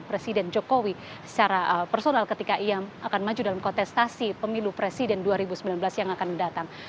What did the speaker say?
presiden jokowi secara personal ketika ia akan maju dalam kontestasi pemilu presiden dua ribu sembilan belas yang akan mendatang